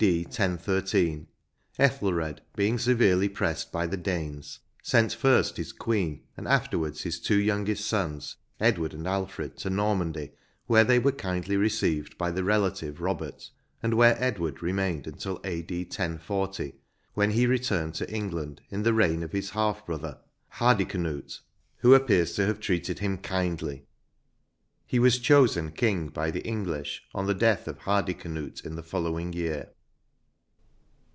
d. 1013, Ethelred, being severely pressed by the Danes, sent first his queen and afterwards his two youngest sons, Edward and Alfred, to Normandy, where they were kindly received by their relative Bobert, and where Edward remained until A.D. 1040, when he returned to England in the reign of his half brother, Hardicanute, who appears to have treated him kindly : he was chosen King by the English on the death of Hardicanute in the following year.